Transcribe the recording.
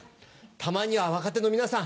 たまには若手の皆さん